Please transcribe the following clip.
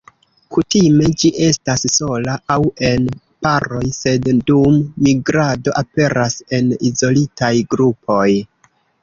Kutime ĝi estas sola aŭ en paroj, sed dum migrado aperas en izolitaj grupoj.